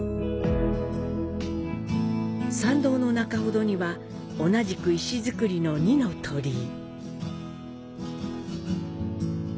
参道の中ほどには、同じく石造りの二ノ鳥居。